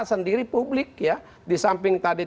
sendiri publik ya disamping tadi